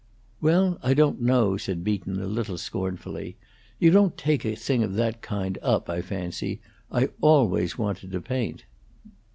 "Well, I don't know," said Beaton, a little scornfully. "You don't take a thing of that kind up, I fancy. I always wanted to paint."